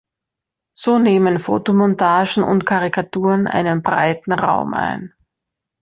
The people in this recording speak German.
So nehmen Fotomontagen und Karikaturen einen breiten Raum ein.